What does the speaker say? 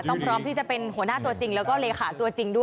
ตั้งหมด